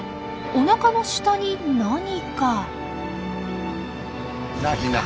おなかの下に何か。